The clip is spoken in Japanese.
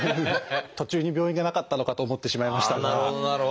途中に病院がなかったのかと思ってしまいましたが。